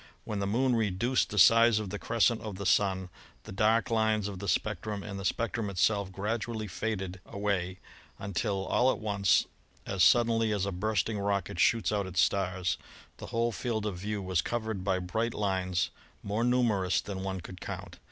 When the Moon reduced the size of the crescent of the Sun the dark lines of the spectrum and the spectrum itself gradu ally faded away until all at once, as suddenly as a bursting rocket shoots out its stars, the whole field of view was covered by bright lines more numerous than one could count.